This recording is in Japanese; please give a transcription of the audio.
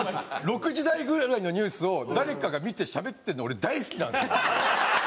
６時台ぐらいのニュースを誰かが見てしゃべってるの俺大好きなんですよ。